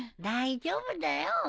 大丈夫だよ。